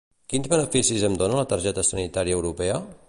Quins beneficis em dona la targeta sanitària europea?